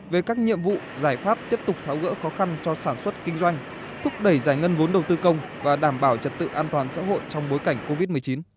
về các nhiệm vụ giải pháp tiếp tục tháo gỡ khó khăn cho sản xuất kinh doanh thúc đẩy giải ngân vốn đầu tư công và đảm bảo trật tự an toàn xã hội trong bối cảnh covid một mươi chín